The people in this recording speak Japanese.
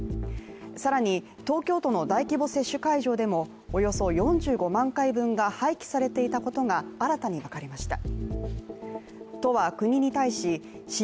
更に東京都の大規模接種会場でもおよそ４５万回分が廃棄されていたことが新たに分かりました。